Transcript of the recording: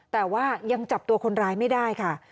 แต่ว่ายังจับตัวคนร้ายไม่ได้ค่ะ